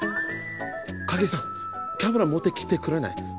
影さんカメラ持ってきてくれない？